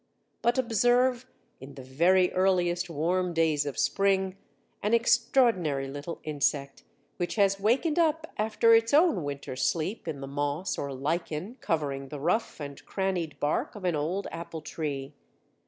But observe in the very earliest warm days of spring an extraordinary little insect, which has wakened up after its own winter sleep in the moss or lichen covering the rough and crannied bark of an old apple tree.